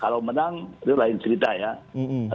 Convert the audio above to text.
kalau menang itu lain cerita ya